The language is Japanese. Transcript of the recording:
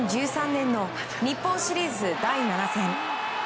２０１３年の日本シリーズ第７戦。